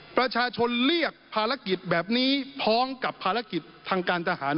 ประชาชนเรียกภารกิจแบบนี้พร้อมกับภารกิจทางการทหาร